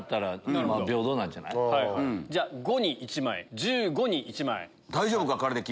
じゃあ「５」に１枚「１５」に１枚。